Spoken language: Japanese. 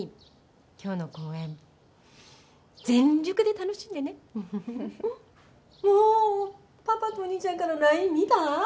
今日の公演全力で楽しんでねもうパパとお兄ちゃんからのＬＩＮＥ見た？